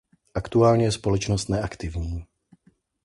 Aktuálně je společnost neaktivní.